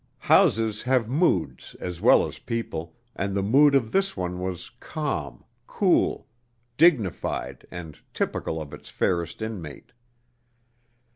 Houses have moods as well as people, and the mood of this one was calm, cool, dignified and typical of its fairest inmate.